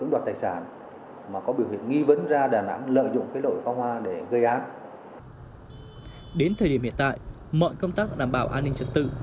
đến thời điểm hiện tại mọi công tác bảo đảm an ninh trật tự